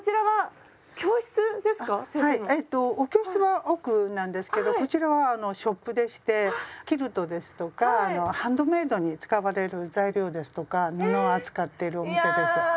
はいお教室は奥なんですけどこちらはあのショップでしてキルトですとかハンドメイドに使われる材料ですとか布を扱っているお店です。